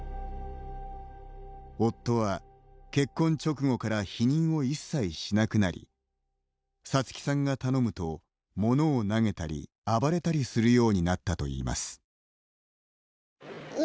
夫は結婚直後から避妊を一切しなくなりサツキさんが頼むと物を投げたり、暴れたりするようになったといいます。